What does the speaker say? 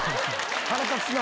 腹立つな。